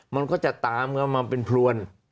มันก็จะตามเข้ามาเป็นพลวน